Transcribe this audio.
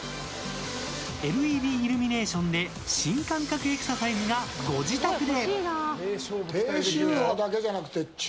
ＬＥＤイルミネーションで新感覚エクササイズがご自宅で。